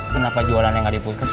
kenapa jualannya nggak diputus